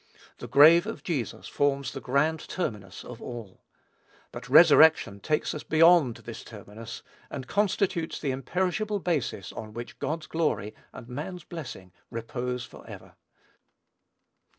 The grave of Jesus forms the grand terminus of all. But resurrection takes us beyond this terminus and constitutes the imperishable basis on which God's glory and man's blessing repose forever.